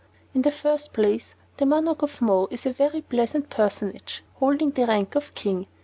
In the first place, the Monarch of Mo is a very pleasant personage holding the rank of King.